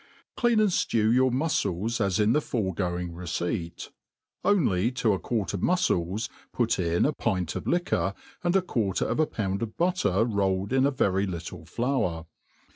CLEAN' and ftcw yotif muftles as in the foregoing receipt, rm\y to a quart of mtifcks puttn^ pint of liquor, and a quar* ter of a po^nd of butter roIl^(f in a very little flour.